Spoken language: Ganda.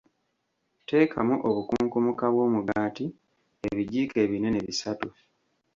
Teekamu obukunkumuka bw'omugaati ebijjiiko ebinene bisatu.